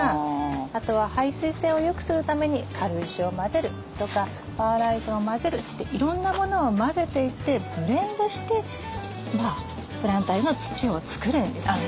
あとは排水性をよくするために軽石を混ぜるとかパーライトを混ぜるっていろんなものを混ぜていってブレンドしてプランター用の土を作るんですね。